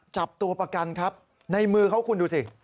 จับตัวประกันครับในมือเขาคุณดูสิ